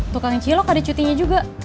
tukang cilok ada cutinya juga